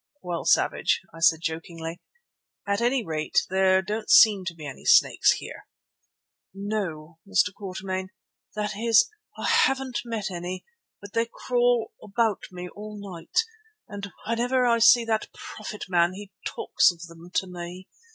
"Well, Savage," I said jokingly, "at any rate there don't seem to be any snakes here." "No, Mr. Quatermain. That is, I haven't met any, but they crawl about me all night, and whenever I see that prophet man he talks of them to me.